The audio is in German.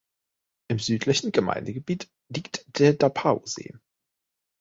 Im südlichen Gemeindegebiet liegt der Dapao-See.